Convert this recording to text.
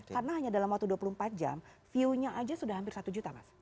karena hanya dalam waktu dua puluh empat jam view nya aja sudah hampir satu juta mas